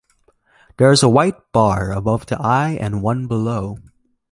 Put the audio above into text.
There is a white bar above the eye and one below.